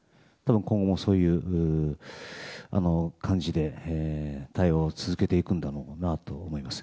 今後もそういう感じで対話を続けていくんだろうなと思います。